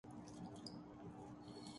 اس میں کمزوریاں ہیں۔